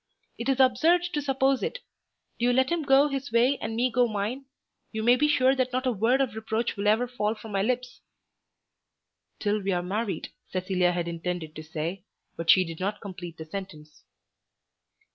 It is absurd to suppose it. Do you let him go his way, and me go mine. You may be sure that not a word of reproach will ever fall from my lips." "Till we are married," Cecilia had intended to say, but she did not complete the sentence.